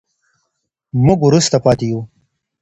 موږ وروسته پاتې يو.